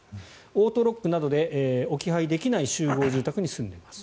オートロックなどで置き配できない集合住宅に住んでいます。